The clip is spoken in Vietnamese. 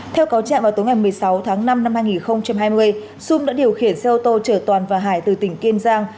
theo cáo trạng vào tối ngày một mươi sáu tháng năm năm hai nghìn hai mươi sung đã điều khiển xe ô tô chở toàn và hải từ tỉnh kiên giang